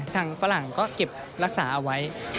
ฝรั่งก็เก็บรักษาเอาไว้